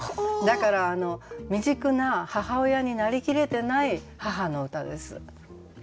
だから未熟な母親になりきれてない母の歌です。